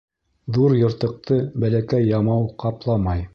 Ҙур йыртыҡты бәләкәй ямау ҡапламай.